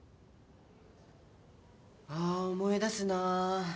あ思い出すなぁ。